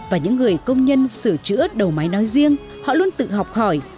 và những người công nhân sửa chữa đầu máy nói riêng họ luôn tự học hỏi